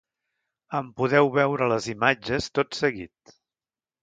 En podeu veure les imatges tot seguit.